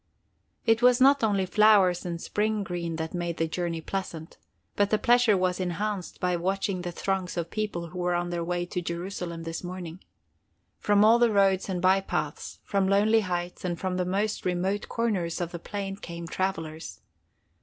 It was not only flowers and spring green that made the journey pleasant, but the pleasure was enhanced by watching the throngs of people who were on their way to Jerusalem this morning. From all the roads and by paths, from lonely heights, and from the most remote corners of the plain came travelers.